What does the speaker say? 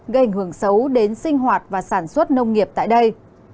gây ảnh hưởng xấu đến sinh hoạt và sản xuất nông nghiệp tại đây